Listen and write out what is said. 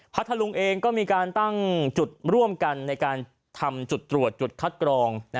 ทะลุงเองก็มีการตั้งจุดร่วมกันในการทำจุดตรวจจุดคัดกรอง